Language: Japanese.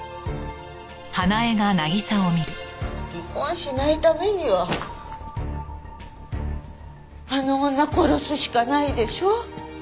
離婚しないためにはあの女殺すしかないでしょ？